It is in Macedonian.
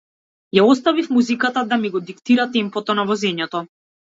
Ја оставив музиката да ми го диктира темпото на возењето.